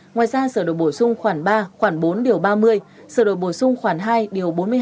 ngoài ra sửa đổi bổ sung khoảng ba khoảng bốn điều ba mươi sửa đổi bổ sung khoảng hai điều bốn mươi hai